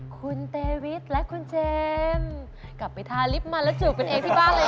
คุณเตวิทและคุณเจมส์กลับไปทาลิฟต์มันแล้วจูบกันเองที่บ้านเลยค่ะ